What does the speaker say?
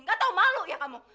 gak tau malu ya kamu